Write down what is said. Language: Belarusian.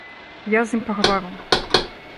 Я з ім пагавару.